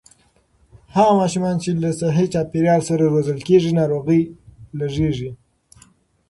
هغه ماشومان چې له صحي چاپېريال سره روزل کېږي، ناروغۍ لږېږي.